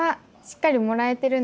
しっかりもらえてる？